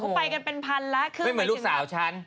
คนอื่นก็ไปกันเป็นพันละคือไม่เหมือนลูกสาวฉัน